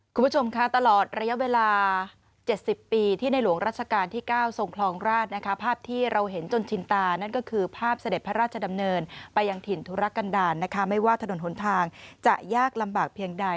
คุณผู้ชมค่ะตลอดระยะเวลา๗๐ปีที่ในหลวงราชการที่๙ทรงคลองราชนะคะภาพที่เราเห็นจนชินตานั่นก็คือภาพเสด็จพระราชดำเนินไปยังถิ่นธุรกันดาลนะคะไม่ว่าถนนหนทางจะยากลำบากเพียงใด